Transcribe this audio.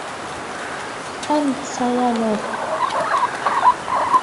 Ad n-tsawaleḍ?